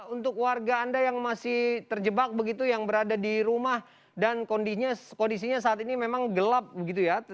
untuk warga anda yang masih terjebak begitu yang berada di rumah dan kondisinya saat ini memang gelap begitu ya